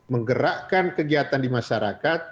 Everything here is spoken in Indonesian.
menggerakkan kegiatan di masyarakat